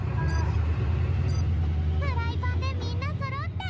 フライパンでみんなそろった！